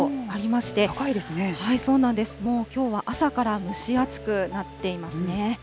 そうなんです、もうきょうは、朝から蒸し暑くなっていますね。